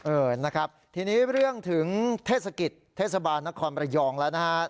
เออนะครับทีนี้เรื่องถึงเทศกิจเทศบาลนครบระยองแล้วนะฮะ